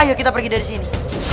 ayo kita pergi dari sini